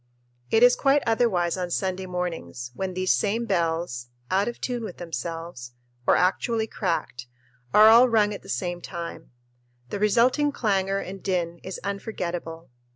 It is quite otherwise on Sunday mornings when these same bells, "out of tune with themselves," or actually cracked, are all rung at the same time. The resulting clangor and din is unforgettable.